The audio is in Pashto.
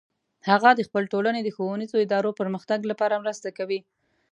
هغه د خپل ټولنې د ښوونیزو ادارو د پرمختګ لپاره مرسته کوي